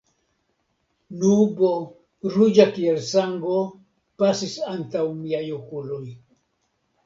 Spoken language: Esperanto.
Nubo, ruĝa kiel sango, pasis antaŭ miaj okuloj.